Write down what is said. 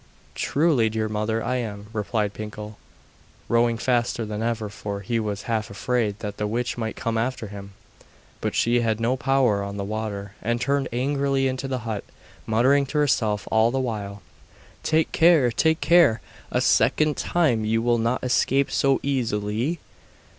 'Truly, dear mother, I am,' replied Pinkel, rowing faster than ever, for he was half afraid that the witch might come after him. But she had no power on the water, and turned angrily into the hut, muttering to herself all the while: 'Take care! take care! A second time you will not escape so easily!